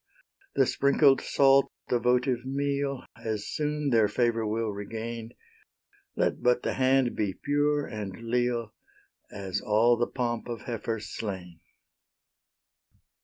The sprinkled salt, the votive meal, As soon their favour will regain, Let but the hand be pure and leal, As all the pomp of heifers slain.